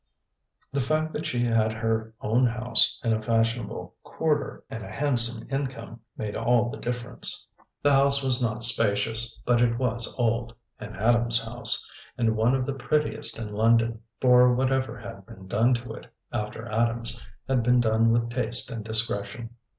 The fact that she had her own house in a fashionable quarter, and a handsome income, made all the difference. The house was not spacious, but it was old an Adams house and one of the prettiest in London, for whatever had been done to it, after Adams, had been done with taste and discretion.